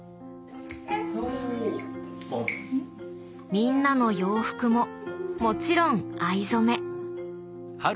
みんなの洋服ももちろん藍染め。